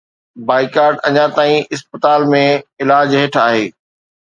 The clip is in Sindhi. بائيڪاٽ اڃا تائين اسپتال ۾ علاج هيٺ آهي.